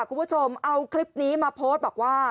คุณผู้ชมเอาคลิปนี้มาโพสต์บอกว่า